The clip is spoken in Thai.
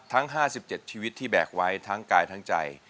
ทั้งห้าสิบเจ็ดชีวิตที่แบกไว้ทั้งกายทั้งใจ